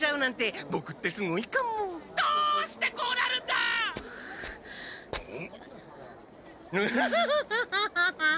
アハハハ。